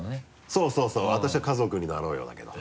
そうそう私は「家族になろうよ」だけど。